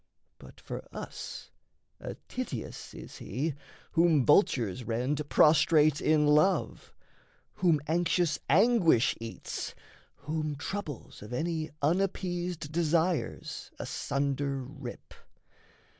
But for us A Tityus is he whom vultures rend Prostrate in love, whom anxious anguish eats, Whom troubles of any unappeased desires Asunder rip.